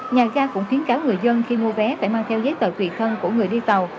nhà ga cũng khuyến cáo người dân khi mua vé phải mang theo giấy tờ tùy thân của người đi tàu